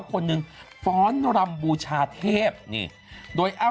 เขาไม่หน้าเบอร์เลย